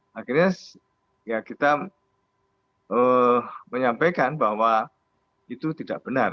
jadi akhirnya kita menyampaikan bahwa itu tidak benar